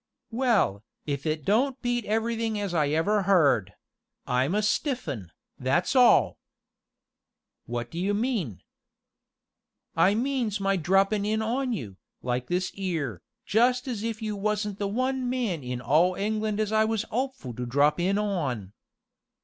"Well, if it don't beat everything as ever I heard I'm a stiff 'un, that's all!" "What do you mean?" "I means my droppin' in on you, like this 'ere, just as if you wasn't the one man in all England as I was 'opeful to drop in on."